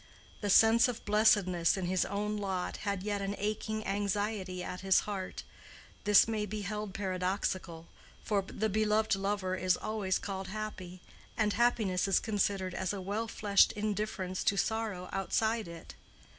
The sense of blessedness in his own lot had yet an aching anxiety at his heart: this may be held paradoxical, for the beloved lover is always called happy, and happiness is considered as a well fleshed indifference to sorrow outside it.